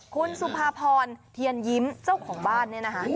คุณสุภาพรเทียนยิ้มเจ้าของบ้านเนี่ยนะคะ